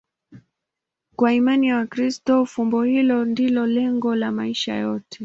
Kwa imani ya Wakristo, fumbo hilo ndilo lengo la maisha yote.